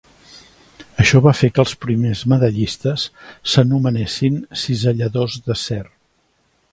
Això va fer que els primers medallistes s"anomenessin ciselladors d"acer.